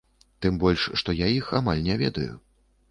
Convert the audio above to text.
Тым больш, што я іх амаль не ведаю.